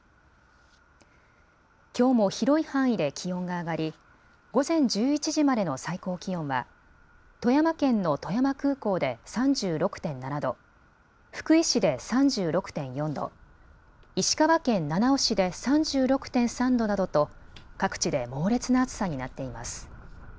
きょうも広い範囲で気温が上がり午前１１時までの最高気温は富山県の富山空港で３６．７度、福井市で３６．４度、石川県七尾市で３６．３度などと各地で猛烈な暑さになっています。